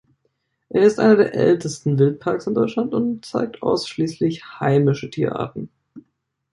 Er ist einer der ältesten Wildparks in Deutschland und zeigt ausschließlich heimische Tierarten.